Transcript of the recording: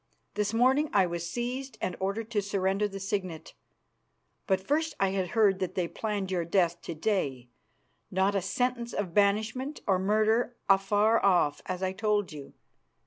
This morning I was seized and ordered to surrender the signet; but first I had heard that they planned your death to day, not a sentence of banishment and murder afar off, as I told you.